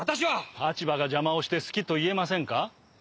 立場が邪魔をして好きと言えませんか？